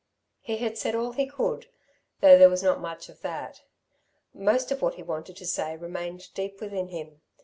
He had said all he could, though there was not much of that. Most of what he wanted to say remained deep within him.